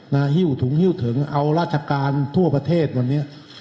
หิ้วถุงฮิ้วถึงเอาราชการทั่วประเทศวันนี้